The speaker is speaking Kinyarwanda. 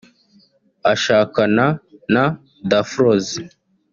Ashakana na Daphrose